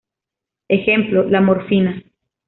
Ejemplo: la morfina.